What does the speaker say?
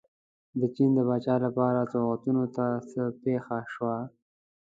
د چین د پاچا لپاره سوغاتونو ته څه پېښه شوه.